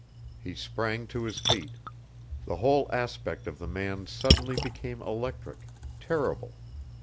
He sprang to his feet. The whole aspect of the man suddenly became electric, terrible.